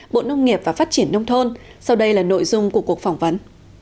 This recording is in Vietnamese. bộ nông nghiệp và phát triển nông thôn sau đây là nội dung của cuộc phỏng vấn